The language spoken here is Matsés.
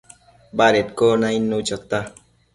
badedquio nainnu chota